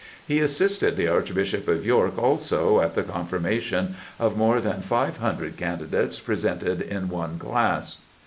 He assisted the Archbishop of York also at the confirmation of more than 500 candidates presented in one class.